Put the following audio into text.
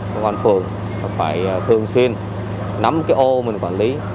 không còn phường phải thường xuyên nắm cái ô mình quản lý